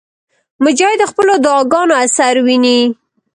مجاهد د خپلو دعاګانو اثر ویني.